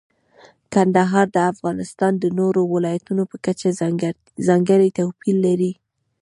کندهار د افغانستان د نورو ولایاتو په کچه ځانګړی توپیر لري.